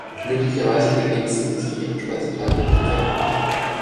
Möglicherweise ergänzten sie ihren Speiseplan mit Insekten.